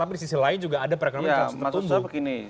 tapi di sisi lain juga ada perekonomian yang tertumbuh